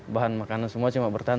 bahan makanan semua cuma bertahan